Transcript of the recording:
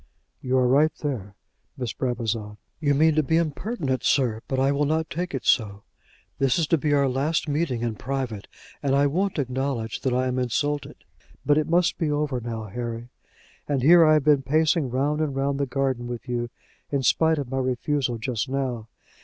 "You are right there, Miss Brabazon." "You mean to be impertinent, sir; but I will not take it so. This is to be our last meeting in private, and I won't acknowledge that I am insulted. But it must be over now, Harry; and here I have been pacing round and round the garden with you, in spite of my refusal just now.